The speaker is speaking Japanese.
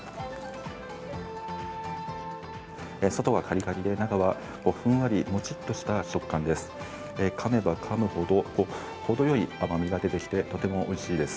外はカリカリで中はふんわりモチッとした食感です。